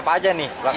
kembali ke pemalang